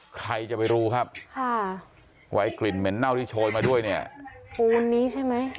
ใครจะไปรู้ครับว่ากลิ่นเหม็นเนี่ยอยู่มาด้วยเนี่ย